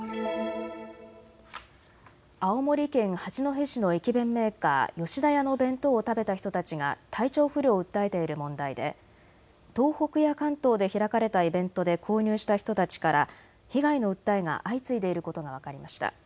青森県八戸市の駅弁メーカー、吉田屋の弁当を食べた人たちが体調不良を訴えている問題で東北や関東で開かれたイベントで購入した人たちから被害の訴えが相次いでいることが分かりました。